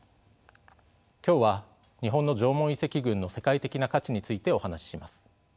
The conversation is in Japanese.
今日は日本の縄文遺跡群の世界的な価値についてお話しします。